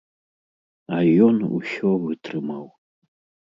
А ён усё вытрымаў.